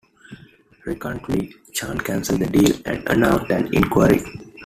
Reluctantly, Chan cancelled the deal and announced an inquiry.